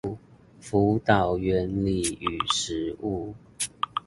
輔導原理與實務